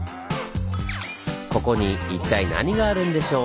ここに一体何があるんでしょう？